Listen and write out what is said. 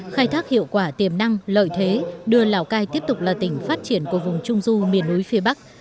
khai thác hiệu quả tiềm năng lợi thế đưa lào cai tiếp tục là tỉnh phát triển của vùng trung du miền núi phía bắc